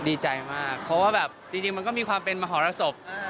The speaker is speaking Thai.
ดีใจมากเพราะว่าแบบจริงมันก็มีความเป็นมหรสบ